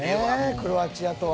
クロアチアとは。